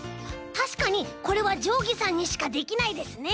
たしかにこれはじょうぎさんにしかできないですね。